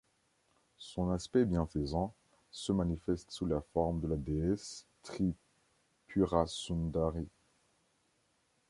Son aspect bienfaisant se manifeste sous la forme de la déesse Tripurasundarī.